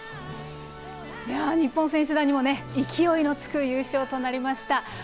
日本選手団にも勢いのつく優勝となりました。